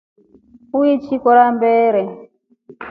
Uichi kora mbere?